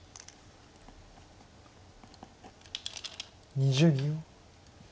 ２０秒。